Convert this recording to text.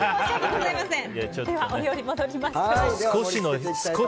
お料理戻りましょう。